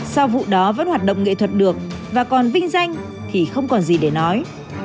sau vụ đó vẫn hoạt động nghệ thuật được và còn vinh danh thì không còn gì để nói